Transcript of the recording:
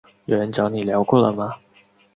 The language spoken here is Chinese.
有人找你聊过了吗？